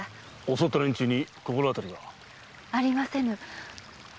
襲った連中に心当たりは？ありませぬ。